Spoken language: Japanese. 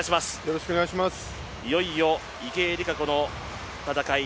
いよいよ、池江璃花子の戦い。